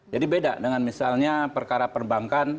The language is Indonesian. jadi beda dengan misalnya perkara perbankan